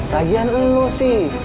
lagian elu sih